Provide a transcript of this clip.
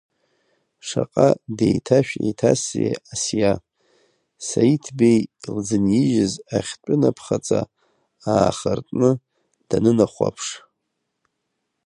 Шаҟа деиҭашә-еиҭасзеи Асиа, Саиҭбеи илзынижьыз ахьтәы напхаҵа аахыртны данынахәаԥш.